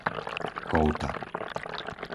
Kolta